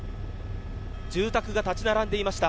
住宅が立ち並んでいました。